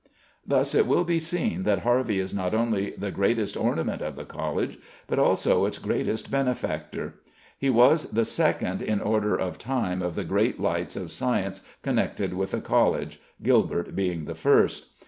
Thus, it will be seen that Harvey is not only the greatest ornament of the College, but also its greatest benefactor. He was the second in order of time of the great lights of science connected with the College, Gilbert being the first.